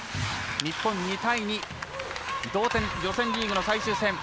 日本、２対２同点、予選リーグの最終戦。